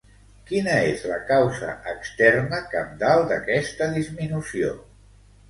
Quina és la causa externa cabdal d'aquesta disminució?